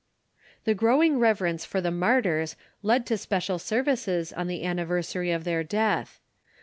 The growing reverence for the martyrs led to special ser vices on the anniversary of their death.